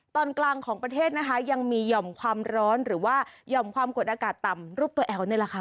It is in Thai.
ตอนกลางของประเทศนะคะยังมีหย่อมความร้อนหรือว่าหย่อมความกดอากาศต่ำรูปตัวแอลนี่แหละค่ะ